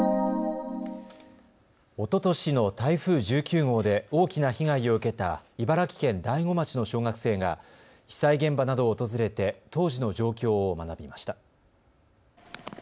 おととしの台風１９号で大きな被害を受けた茨城県大子町の小学生が被災現場などを訪れて当時の状況を学びました。